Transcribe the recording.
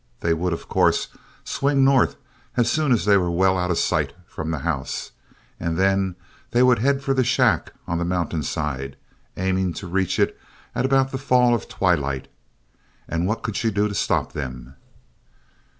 They would, of course, swing north as soon as they were well out of sight from the house, and then they would head for the shack on the mountain side, aiming to reach it at about the fall of twilight. And what could she do to stop them?